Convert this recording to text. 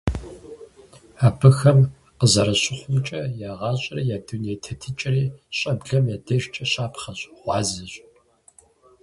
Абыхэм къазэрыщыхъумкӀэ, я гъащӀэри я дуней тетыкӀэри щӀэблэм я дежкӀэ щапхъэщ, гъуазэщ.